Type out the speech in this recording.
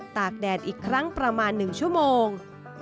ตากแดดอีกครั้งประมาณ๑ชั่วโมง